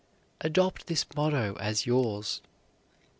Adopt this motto as yours.